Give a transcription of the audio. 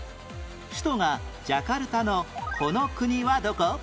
首都がジャカルタのこの国はどこ？